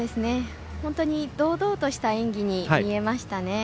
本当に堂々とした演技に見えましたね。